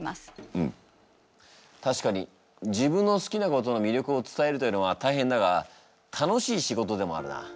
うん確かに自分の好きなことの魅力を伝えるというのは大変だが楽しい仕事でもあるな。